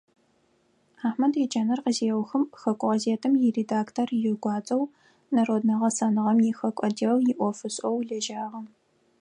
Ахьмэд еджэныр къызеухым, хэку гъэзетым иредактор игуадзэу, народнэ гъэсэныгъэм ихэку отдел иӀофышӀэу лэжьагъэ.